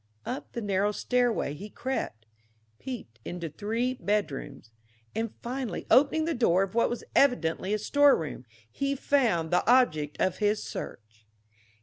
Up the narrow stairway he crept peeped into three bedrooms and finally opening the door of what was evidently a storeroom, he found the object of his search.